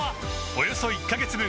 およそ１カ月分